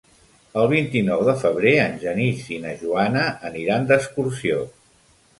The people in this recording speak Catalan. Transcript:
El vint-i-nou de febrer en Genís i na Joana aniran d'excursió.